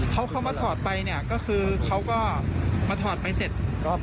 เขาเขามาถอดไปเนี่ยก็คือเขาก็มาถอดไปเสร็จ